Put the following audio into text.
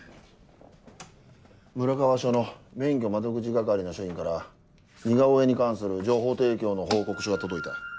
村川署の免許窓口係の署員から似顔絵に関する情報提供の報告書が届いた。